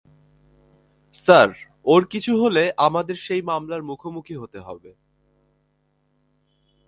Sir, ওর কিছু হলে আমাদের সেই মামলার মুখোমুখি হতে হবে।